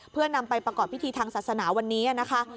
เพื่อนำไปประกอบพิธีทางศาสนาวันนี้นะคะ